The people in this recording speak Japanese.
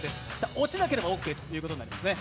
落ちなければオーケーということになりますね